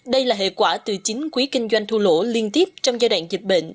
đây là hệ quả từ chính quý kinh doanh thu lỗ liên tiếp trong giai đoạn dịch bệnh